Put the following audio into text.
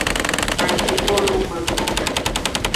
Bajivon lo hwenko.